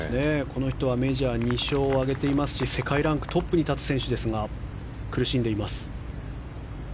この人はメジャー２勝挙げていますし世界ランクトップに立つ選手ですが苦しんでいます。